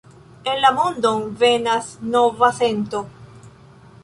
En la mondon venas nova sento